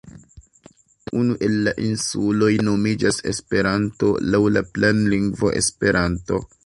Unu el la insuloj nomiĝas Esperanto, laŭ la planlingvo Esperanto.